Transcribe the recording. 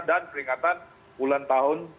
dan peringatan bulan tahun